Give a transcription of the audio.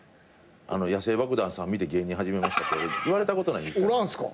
「野性爆弾さん見て芸人始めました」って言われたことない１回も。おらんすか！？